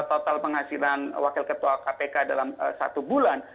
total penghasilan wakil ketua kpk dalam satu bulan